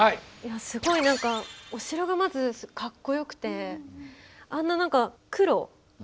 すごい何かお城がまずかっこよくてあんな何か黒になってるのって。